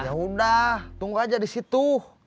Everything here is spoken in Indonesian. ya udah tunggu aja di situ